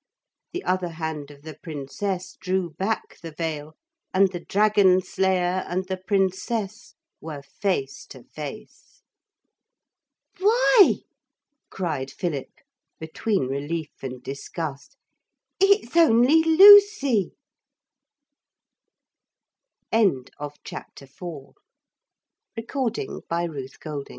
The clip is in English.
The other hand of the Princess drew back the veil, and the Dragon Slayer and the Princess were face to face. 'Why!' cried Philip, between relief and disgust, 'it's only Lucy!' CHAPTER V ON TH